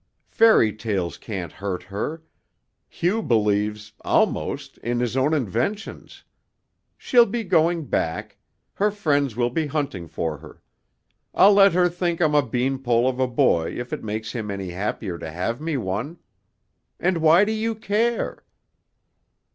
Fairy tales can't hurt her Hugh believes almost in his own inventions. She'll be going back her friends will be hunting for her. I'll let her think I'm a bean pole of a boy if it makes him any happier to have me one. And why do you care?"